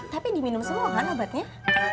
tapi diminum semua kan obatnya